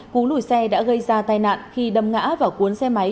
cú lùi xe đã gây ra tai nạn khi đâm ngã vào cuốn xe máy